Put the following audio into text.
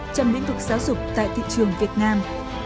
trong lĩnh vực giáo dục tại thị trường việt nam